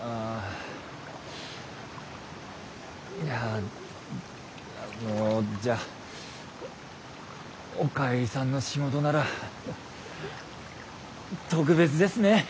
いやあのじゃあおかえりさんの仕事なら特別ですね。